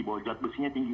bahwa jad besinya tinggi